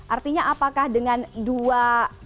artinya apakah dengan dua